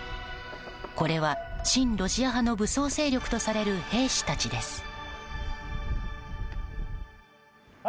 これは、親ロシア派の武装勢力とされる兵士たちです。